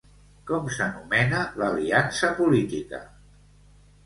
Com s'anomena l'aliança política?